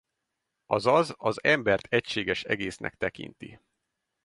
Azaz az embert egységes egésznek tekinti.